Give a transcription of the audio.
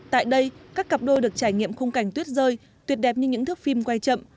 tại đây các cặp đôi được trải nghiệm khung cảnh tuyết rơi tuyệt đẹp như những thước phim quay chậm